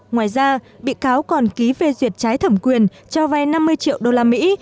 ngoài ra bị cáo còn ký phê duyệt trái thẩm quyền cho vay năm mươi triệu đô la mỹ